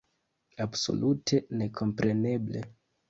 Absolute nekompreneble!